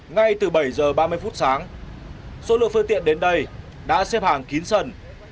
ngay từ bảy h ba mươi phút sáng số lượng phương tiện đến đây đã xếp hàng kín sần